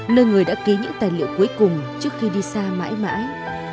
nơi người đã ký những tài liệu cuối cùng trước khi đi xa mãi mãi